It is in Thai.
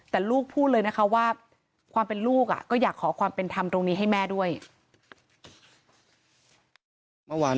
แต่ลูกพูดเลยนะคะว่าความเป็นลูกก็อยากขอความเป็นธรรมตรงนี้ให้แม่ด้วย